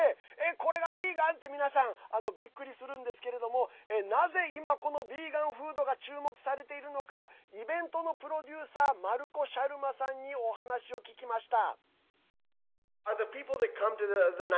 これがビーガン？って皆さん、びっくりするんですがなぜ今、このビーガンフードが注目されているのかイベントのプロデューサーマルコ・シャルマさんにお話を聞きました。